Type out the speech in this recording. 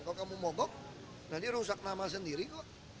kalau kamu mogok nanti rusak nama sendiri kok